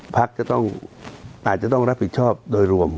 ภักร์อาจจะต้องรับผิดชอบโดยรวม